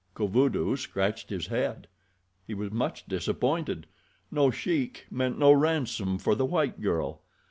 Kovudoo scratched his head. He was much disappointed. No Sheik meant no ransom for the white girl.